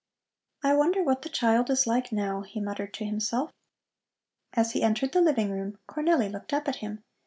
"I wonder what the child is like now?" he muttered to himself. As he entered the living room Cornelli looked up at him.